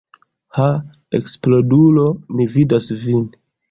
Ha eksplodulo, mi vidas vin!